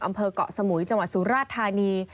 อำเภอกเกาะสมุยจังหวัดสุราชธานี